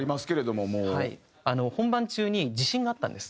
本番中に地震があったんです。